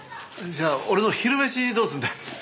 じゃあ俺の昼飯どうするんだ？